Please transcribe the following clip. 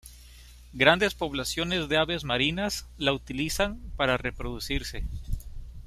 Grandes poblaciones de aves marinas la utilizan para reproducirse.